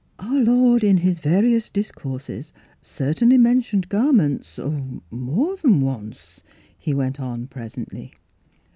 " Our Lord in his various discourses certainly mentioned garments — ah — more than once," he went on presently.